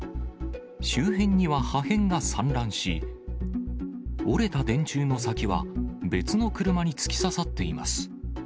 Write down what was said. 周辺には破片が散乱し、折れた電柱の先は、別の車に突き刺さっています。